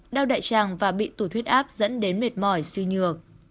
đau đại tràng và bị tủ thuyết áp dẫn đến mệt mỏi suy nhược